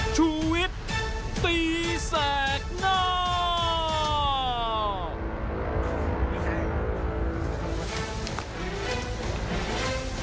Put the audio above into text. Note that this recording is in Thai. ชูวิทย์ตีแสกหน้า